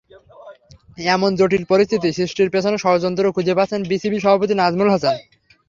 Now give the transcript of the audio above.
এমন জটিল পরিস্থিতি সৃষ্টির পেছনে ষড়যন্ত্র খুঁজে পাচ্ছেন বিসিবি সভাপতি নাজমুল হাসান।